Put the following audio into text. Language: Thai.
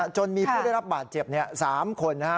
จนมีผู้ได้รับบาดเจ็บ๓คนนะฮะ